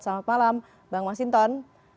selamat malam bang masinton